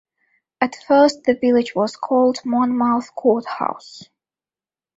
At first, the village was called Monmouth Courthouse.